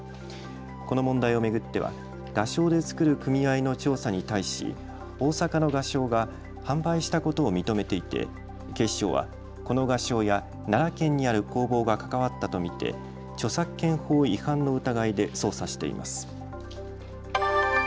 この問題を巡っては画商で作る組合の調査に対し大阪の画商が販売したことを認めていて警視庁は、この画商や奈良県にある工房が関わったと見て著作権法違反の疑いで捜査しています。